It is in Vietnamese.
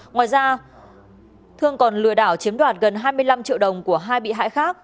ngoài ra thương còn lừa đảo chiếm đoạt gần hai mươi năm triệu đồng của hai bị hại khác